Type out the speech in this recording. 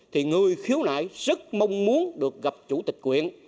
thì người khiếu nại rất mong muốn được gặp chủ tịch quyện